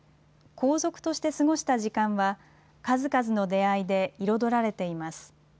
皇族として過ごした時間は、数々の出会いで彩られています。